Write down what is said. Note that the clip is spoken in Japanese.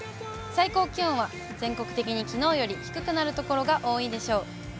最高気温は全国的にきのうより低くなる所が多いでしょう。